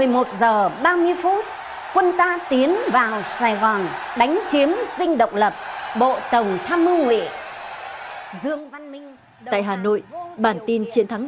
mời các bạn nghe tin chiến thắng